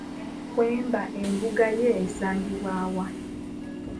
Kkweba embuga ye esangibwa wa?